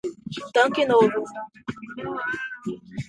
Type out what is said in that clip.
Tanque Novo